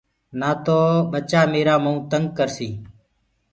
نآ تو ٻچآ ميرآ مئون تنگ ڪرسيٚ